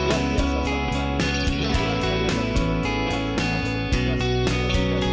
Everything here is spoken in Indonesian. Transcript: maka buat berusaha yang sangat luar biasa